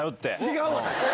違うわ！